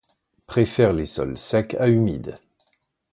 Préfère les sols secs à humides.